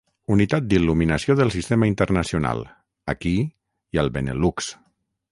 Unitat d'il·luminació del sistema internacional, aquí i al Benelux.